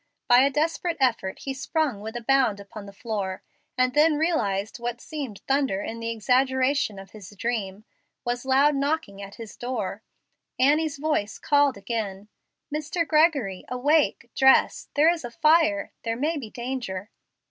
By a desperate effort he sprung with a bound upon the floor, and then realized that what seemed thunder in the exaggeration of his dream was loud knocking at his door. Annie's voice again called, "Mr. Gregory, awake, dress. There is a fire. There may be danger."